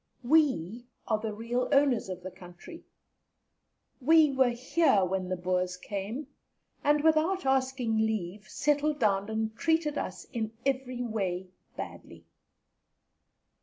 We are the real owners of the country; we were here when the Boers came, and without asking leave, settled down and treated us in every way badly.